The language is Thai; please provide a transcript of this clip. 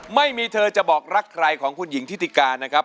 ไม่มีเธอจะบอกรักใครของคุณหญิงทิติกานะครับ